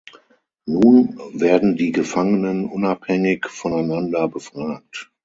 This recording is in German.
Nun werden die Gefangenen unabhängig voneinander befragt.